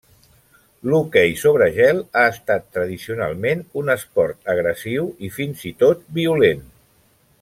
L'hoquei sobre gel ha estat, tradicionalment, un esport agressiu i fins i tot violent.